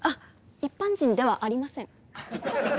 一般人ではありません。